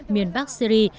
miền bắc syri